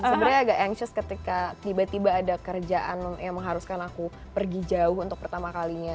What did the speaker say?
sebenarnya agak anchoos ketika tiba tiba ada kerjaan yang mengharuskan aku pergi jauh untuk pertama kalinya